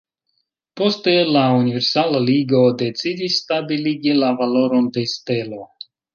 Poste la Universala Ligo decidis stabiligi la valoron de stelo.